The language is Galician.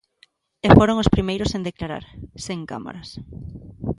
E foron os primeiros en declarar, sen cámaras.